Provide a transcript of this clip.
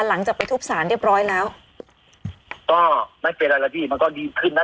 หลังจากไปทุบสารเรียบร้อยแล้วก็ไม่เป็นอะไรแล้วพี่มันก็ดีขึ้นนะ